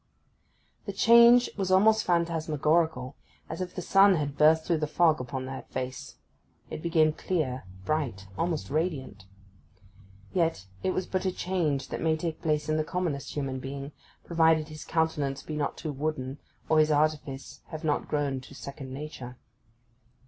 The change was almost phantasmagorial, as if the sun had burst through the fog upon that face: it became clear, bright, almost radiant. Yet it was but a change that may take place in the commonest human being, provided his countenance be not too wooden, or his artifice have not grown to second nature.